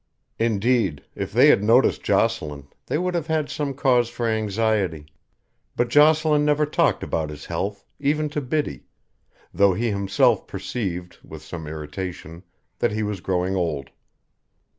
Indeed, if they had noticed Jocelyn, they would have had some cause for anxiety; but Jocelyn never talked about his health, even to Biddy, though he himself perceived, with some irritation, that he was growing old.